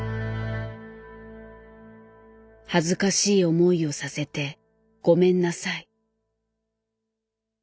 「恥ずかしい思いをさせてごめんなさい」。